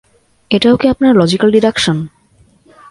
এটাও কি আপনার লজিক্যাল ডিডাকশান?